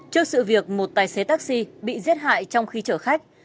trước sự việc một tài xế taxi bị giết hại trong khi chở khách